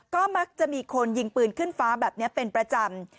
ก็มักจะมีคนยิงปืนขึ้นฟ้าแบบนี้เป็นประจำ